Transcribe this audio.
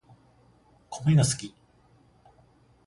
コメが好き